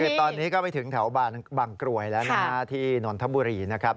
คือตอนนี้ก็ไปถึงแถวบางกรวยแล้วนะฮะที่นนทบุรีนะครับ